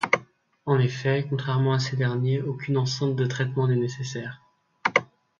En effet, contrairement à ces derniers aucune enceinte de traitement n'est nécessaire.